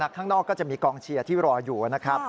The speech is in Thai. ข้างนอกก็จะมีกองเชียร์ที่รออยู่นะครับ